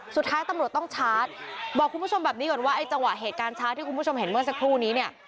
สุดท้ายตำรวจต้องชาร์จบอกคุณผู้ชมแบบนี้ก่อนว่าไอ้จังหวะเหตุการณ์ชาร์จที่คุณผู้ชมเห็นเมื่อสักครู่นี้เนี่ย